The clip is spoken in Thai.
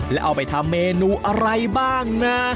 แล้วเอาไปทำเมนูอะไรบ้างนะ